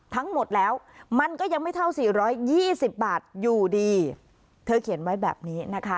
ทั้งหมดแล้วมันก็ยังไม่เท่า๔๒๐บาทอยู่ดีเธอเขียนไว้แบบนี้นะคะ